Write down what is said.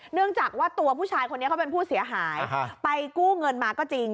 เนื่องจากว่าตัวผู้ชายคนนี้เขาเป็นผู้เสียหายไปกู้เงินมาก็จริง